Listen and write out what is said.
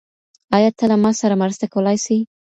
ايا ته له ما سره مرسته کولای سې؟